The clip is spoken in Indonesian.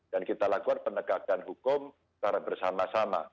dan kita lakukan penegakan hukum secara bersama sama